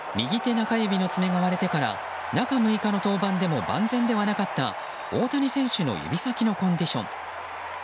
中指の爪が割れてから中６日の登板でも万全ではなかった大谷選手の指先のコンディション。